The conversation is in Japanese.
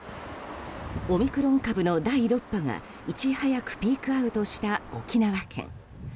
オミクロン株の第６波がいち早くピークアウトした沖縄県。